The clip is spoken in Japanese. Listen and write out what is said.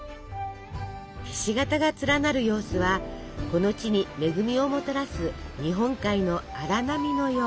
ひし形が連なる様子はこの地に恵みをもたらす日本海の荒波のよう。